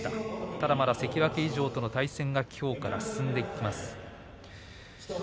ただまだ関脇以上との対戦がきょうから進んでいきます。